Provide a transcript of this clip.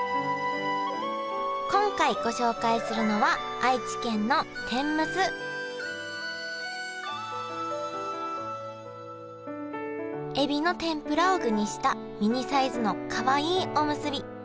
今回ご紹介するのはエビの天ぷらを具にしたミニサイズのかわいいおむすび。